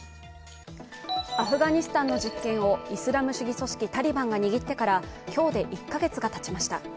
アフガニスタンの実権をイスラム主義組織タリバンが握ってから今日で１カ月がたちました。